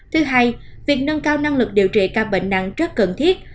thứ hai việc nâng cao năng lực điều trị ca bệnh nặng rất cần thiết